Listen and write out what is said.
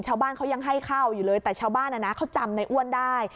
ชาวบ้านเขายังให้เข้าอยู่เลยแต่ชาวบ้านเขาจำในอ้วนได้